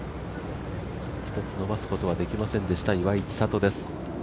１つ伸ばすことはできませんでした岩井千怜です。